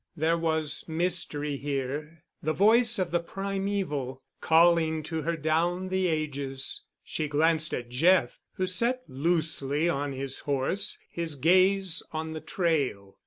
There was mystery here—the voice of the primeval, calling to her down the ages. She glanced at Jeff, who sat loosely on his horse, his gaze on the trail.